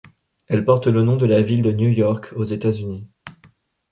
Elle porte le nom de la ville de New York aux États-Unis.